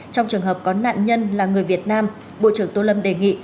trong trường hợp có nạn nhân là người việt nam bộ trưởng tô lâm đề nghị